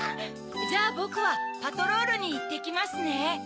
じゃあボクはパトロールにいってきますね。